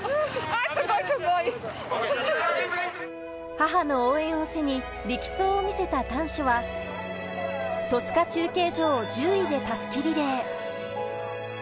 母の応援を背に力走を見せた丹所は戸塚中継所を１０位で襷リレー。